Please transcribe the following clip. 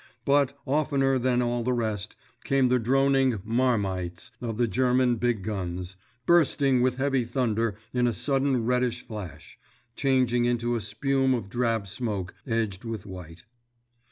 But, oftener than all the rest, came the droning "marmites" of the German big guns, bursting with heavy thunder in a sudden reddish flash, changing into a spume of drab smoke, edged with white.